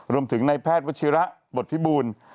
รวมถึงนายแพทย์วจิระบทพิบูล